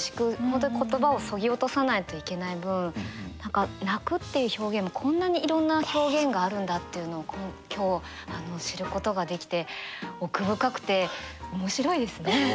本当に言葉をそぎ落とさないといけない分何か泣くっていう表現もこんなにいろんな表現があるんだっていうのを今日知ることができて奥深くて面白いですね。